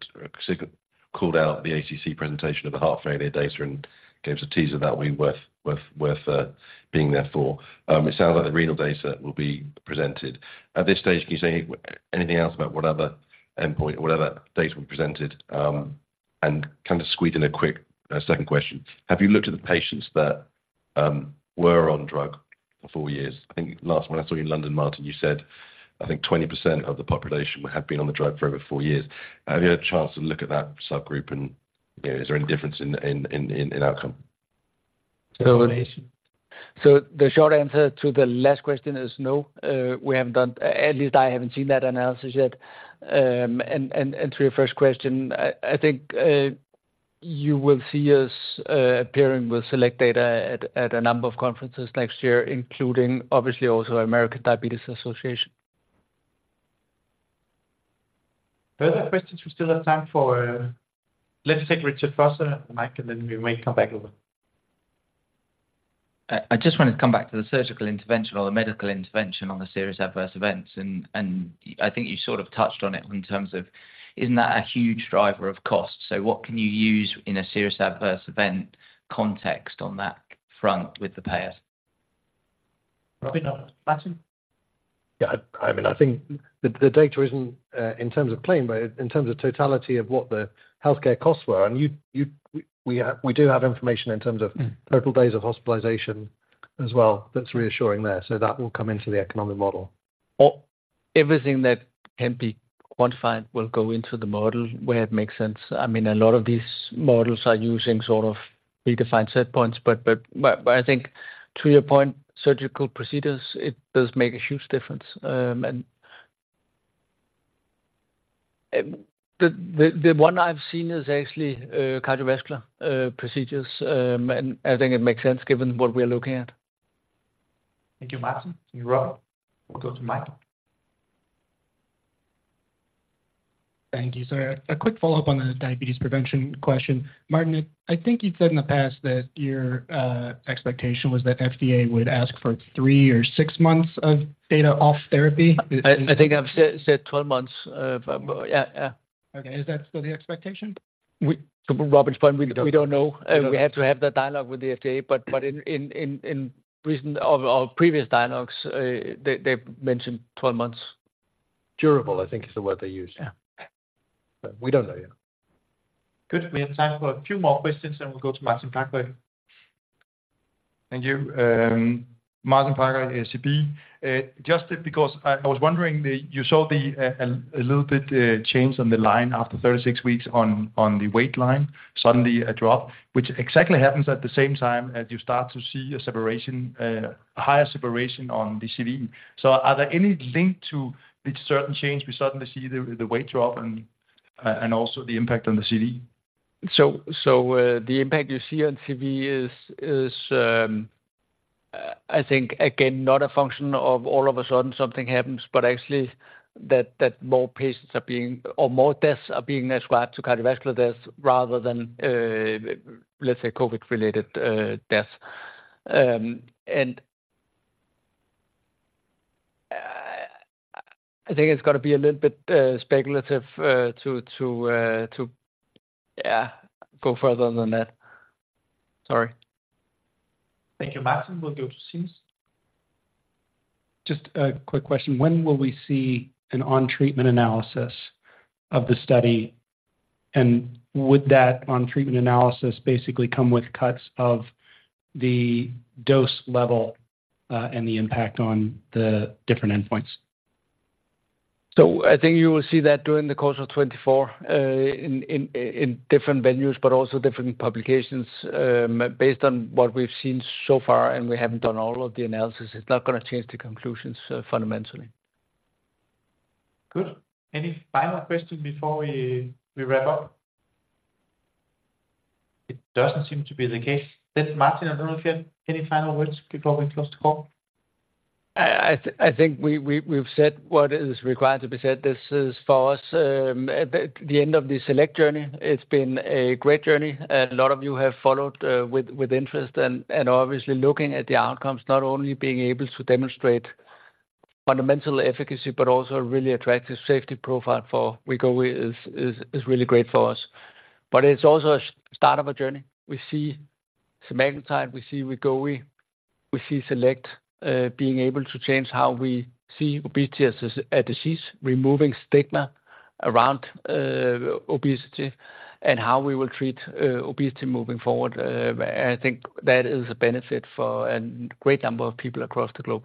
called out the ACC presentation of the heart failure data and gave us a teaser that we worth being there for. It sounds like the renal data will be presented. At this stage, can you say anything else about what other endpoint, what other data were presented, and can I just squeeze in a quick second question? Have you looked at the patients that were on drug for four years? I think last when I saw you in London, Martin, you said, I think 20% of the population would have been on the drug for over four years. Have you had a chance to look at that subgroup, and, you know, is there any difference in outcome? So the short answer to the last question is no, we haven't—at least I haven't seen that analysis yet. And to your first question, I think you will see us appearing with SELECT data at a number of conferences next year, including obviously also American Diabetes Association. Further questions we still have time for. Let's take Richard Vosser on the mic, and then we may come back over. I just wanted to come back to the surgical intervention or the medical intervention on the serious adverse events, and I think you sort of touched on it in terms of isn't that a huge driver of cost? So what can you use in a serious adverse event context on that front with the payers? Robin, Martin? Yeah, I mean, I think the data isn't in terms of claim, but in terms of totality of what the healthcare costs were, and we do have information in terms of total days of hospitalization as well that's reassuring there, so that will come into the economic model. Or everything that can be quantified will go into the model where it makes sense. I mean, a lot of these models are using sort of predefined set points, but I think to your point, surgical procedures, it does make a huge difference. And the one I've seen is actually cardiovascular procedures. And I think it makes sense given what we are looking at. Thank you, Martin. Rob, we'll go to Michael. Thank you. So a quick follow-up on the diabetes prevention question. Martin, I think you've said in the past that your expectation was that FDA would ask for three or six months of data off therapy. I think I've said 12 months, but yeah. Okay. Is that still the expectation? To Robin's point, we don't know. We have to have that dialogue with the FDA, but in recent or previous dialogues, they've mentioned 12 months. Durable, I think, is the word they use. Yeah. But we don't know yet. Good. We have time for a few more questions, then we'll go to Martin Parkhøi. Thank you. Martin Parkhøi, SEB. Just because I was wondering, you saw a little bit change on the line after 36 weeks on the weight line, suddenly a drop, which exactly happens at the same time as you start to see a separation, higher separation on the CV. So are there any link to the certain change we suddenly see the weight drop and also the impact on the CV? So, the impact you see on CV is, I think again, not a function of all of a sudden something happens, but actually that more patients are being, or more deaths are being ascribed to cardiovascular deaths rather than, let's say, COVID-related deaths. And, I think it's gonna be a little bit speculative to go further than that. Sorry. Thank you, Martin. We'll go to Seamus. Just a quick question. When will we see an on-treatment analysis of the study? And would that on treatment analysis basically come with cuts of the dose level, and the impact on the different endpoints? So I think you will see that during the course of 2024, in different venues, but also different publications. Based on what we've seen so far, and we haven't done all of the analysis, it's not gonna change the conclusions, fundamentally. Good. Any final question before we wrap up? It doesn't seem to be the case. Then, Martin, I don't know if you have any final words before we close the call. I think we've said what is required to be said. This is, for us, the end of the SELECT journey. It's been a great journey. A lot of you have followed with interest and obviously looking at the outcomes, not only being able to demonstrate fundamental efficacy but also a really attractive safety profile for Wegovy is really great for us. But it's also a start of a journey. We see semaglutide, we see Wegovy, we see SELECT being able to change how we see obesity as a disease, removing stigma around obesity and how we will treat obesity moving forward. I think that is a benefit for a great number of people across the globe.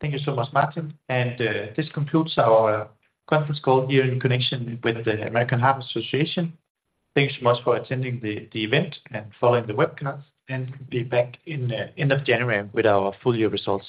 Thank you so much, Martin. This concludes our conference call here in connection with the American Heart Association. Thanks so much for attending the event and following the webcast, and be back in the end of January with our full year results.